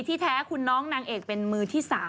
ที่แท้คุณน้องนางเอกเป็นมือที่๓